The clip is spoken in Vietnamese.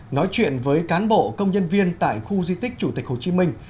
nói chuyện với cán bộ công nhân viên tại khu di tích chủ tịch hồ chí minh